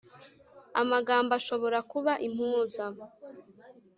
amagambo ashobora kuba impuza